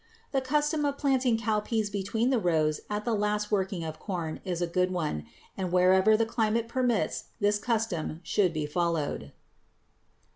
The custom of planting cowpeas between the rows at the last working of corn is a good one, and wherever the climate permits this custom should be followed.